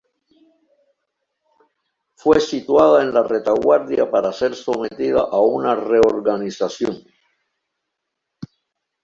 Fue situada en la retaguardia para ser sometida a una reorganización.